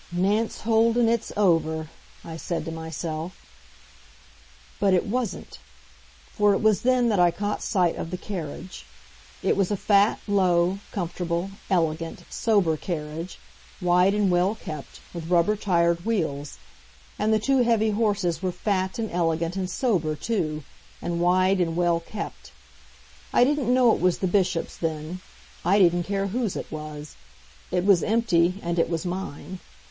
"Nance Olden, it's over," I said to myself. But it wasn't. For it was then that I caught sight of the carriage. It was a fat, low, comfortable, elegant, sober carriage, wide and well kept, with rubber tired wheels. And the two heavy horses were fat and elegant and sober, too, and wide and well kept. I didn't know it was the Bishop's then I didn't care whose it was. It was empty, and it was mine.